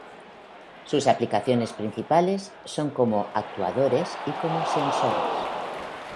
Sus aplicaciones principales son como actuadores y como sensores.